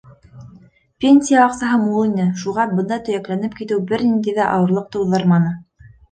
Пенсия аҡсаһы мул ине, шуға бында төйәкләнеп китеү бер ниндәй ҙә ауырлыҡ тыуҙырманы.